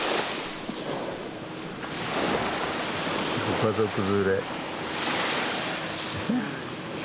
ご家族連れ。